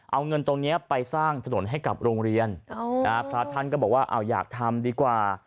เอาเงินตรงนี้ไปสร้างถนนให้กับโรงเรียนพระท่านก็บอกว่าอยากทำดีกว่า